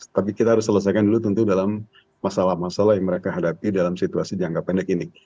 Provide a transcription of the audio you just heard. tapi kita harus selesaikan dulu tentu dalam masalah masalah yang mereka hadapi dalam situasi jangka pendek ini